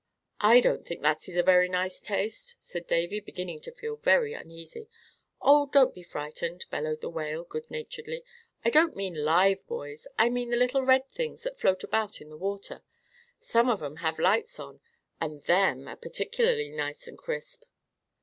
"I don't think that is a very nice taste," said Davy, beginning to feel very uneasy. "Oh! don't be frightened," bellowed the Whale, good naturedly. "I don't mean live boys. I mean the little red things that float about in the water. Some of 'em have lights on 'em, and them are particularly nice and crisp."